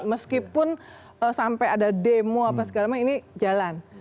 meskipun sampai ada demo apa segala macam ini jalan